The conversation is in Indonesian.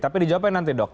tapi dijawabkan nanti dok